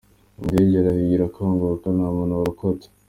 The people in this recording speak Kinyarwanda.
Iyi ndege yarahiye irakongoka, nta muntu warokotse.